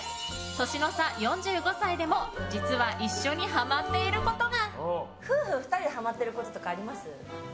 年の差４５歳でも実は一緒にハマっていることが。